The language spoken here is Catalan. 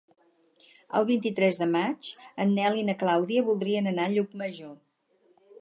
El vint-i-tres de maig en Nel i na Clàudia voldrien anar a Llucmajor.